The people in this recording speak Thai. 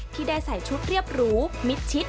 ที่ได้ใส่ชุดเรียบหรูมิดชิด